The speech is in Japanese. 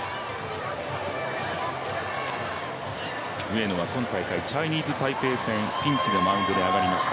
上野は今大会チャイニーズ・タイペイ戦、ピンチでマウンドに上がりました。